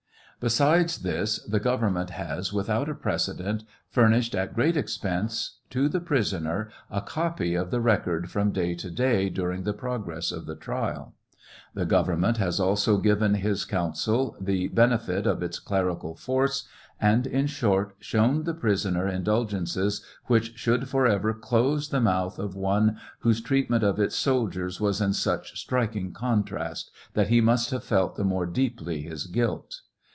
Besides this the government has, without a precedent, furnished, at great expense, to the prisoner a copy of the record from day to day during the progress of the trial. The government has also given his counsel 730 TKIAL OF HENEY WXRZ. the benefit of its clerical force, and, in short, shown the prisoner indulgences which should forever close the mouth of one whose treatment of its soldiers was in such striking contrast, that he must have felt the more deeply his guilt.